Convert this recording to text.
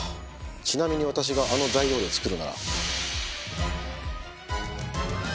ちなみに私があの材料で作るなら。